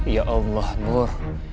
ya allah nur